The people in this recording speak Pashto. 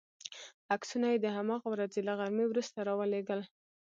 عکسونه یې د هماغې ورځې له غرمې وروسته را ولېږل.